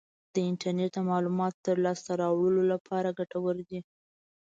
د انټرنیټ د معلوماتو د لاسته راوړلو لپاره ګټور دی.